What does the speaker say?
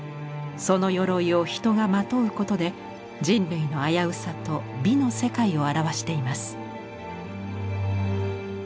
そのよろいを人がまとうことで人類の危うさと美の世界を表しています。